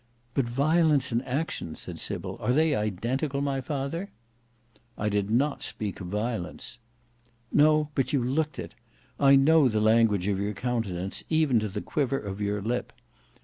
"But violence and action," said Sybil, "are they identical, my father?" "I did not speak of violence." "No; but you looked it. I know the language of your countenance, even to the quiver of your lip.